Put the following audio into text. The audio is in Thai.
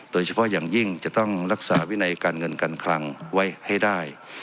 โดยเฉพาะอย่างยิ่งจะต้องรักษาวินัยการเงินการคลังไว้ให้ได้